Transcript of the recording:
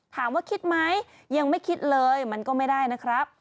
ถามว่าคิดไหมยังไม่คิดเลยมันก็ไม่ได้นะครับ